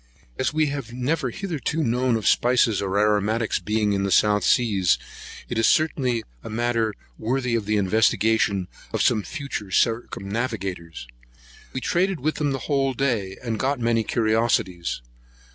As we have never hitherto known of spices or aromatics being in the South Seas, it is certainly a matter worthy the investigation of some future circumnavigators. We traded with them the whole day, and got many curiosities.